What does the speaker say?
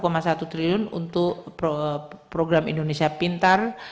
kemen kes rp tujuh tujuh triliun untuk program indonesia pintar